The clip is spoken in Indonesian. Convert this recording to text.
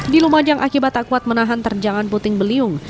di lumajang akibat tak kuat menahan terjangan puting beliung